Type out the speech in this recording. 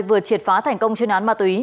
vừa triệt phá thành công chuyên án ma túy